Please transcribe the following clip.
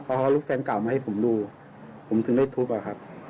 พอเขาเอาลูกแฟนเก่ามาให้ผมดูผมถึงได้ทุบอะครับ